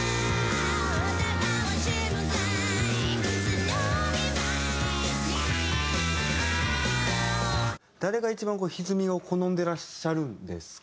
では誰が一番歪みを好んでいらっしゃるんですか？